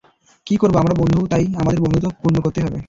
কি করবো, আমরা বন্ধু তাই, আমাদের বন্ধুত্ব তো পূর্ণ করতেই হবে।